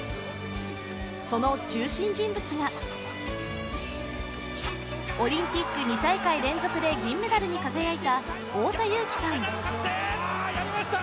その中心人物がオリンピック２大会連続で銀メダルに輝いた太田雄貴さん